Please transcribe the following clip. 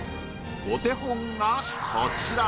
お手本がこちら。